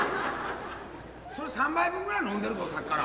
それ３杯分ぐらい飲んでるぞさっきから。